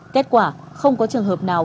kết quả không có trường hợp nào